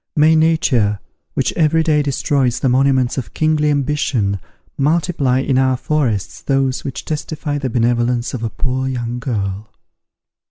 May nature, which every day destroys the monuments of kingly ambition, multiply in our forests those which testify the beneficence of a poor young girl!